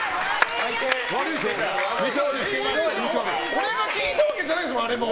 俺が聞いたわけじゃないんですあれも。